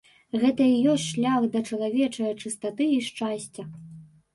Гэта і ёсць шлях да чалавечае чыстаты і шчасця.